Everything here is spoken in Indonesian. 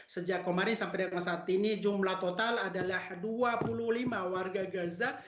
sejak kemarin sampai dengan saat ini jumlah total adalah dua puluh lima warga gaza